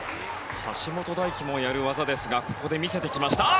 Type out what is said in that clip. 橋本大輝もやる技ですが見せてきました。